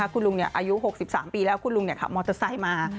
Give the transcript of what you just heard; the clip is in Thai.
คุณลุงอายุ๖๓ปีแล้วคุณลุงขับมอเตอร์ไซค์มา